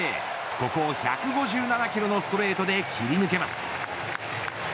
ここを１５７キロのストレートで切り抜けます。